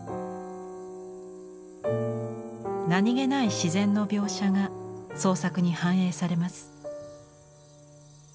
何気ない自然の描写が創作に反映されます。